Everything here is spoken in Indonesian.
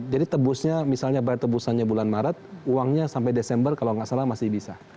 jadi tebusnya misalnya bayar tebusannya bulan maret uangnya sampai desember kalau tidak salah masih bisa